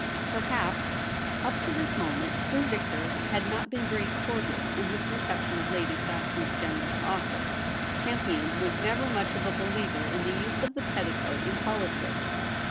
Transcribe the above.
Perhaps, up to this moment, Sir Victor had not been very cordial in his reception of Lady Saxon's generous offer. Champion w^as never much of a believer in the use of the petticoat in politics.